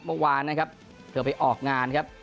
เมื่อวานนะครับเธอไปออกงานครับ